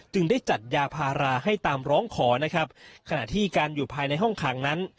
ได้จัดยาพาราให้ตามร้องขอนะครับขณะที่การอยู่ภายในห้องขังนั้น